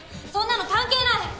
そんなの関係ない！